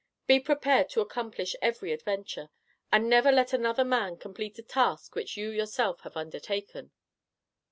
Be prepared to accomplish every adventure, and never let another man complete a task which you yourself have undertaken."